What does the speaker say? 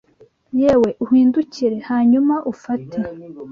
Yewe uhindukire, - hanyuma ufate,